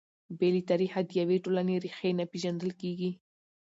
بې له تاریخه د یوې ټولنې ريښې نه پېژندل کیږي.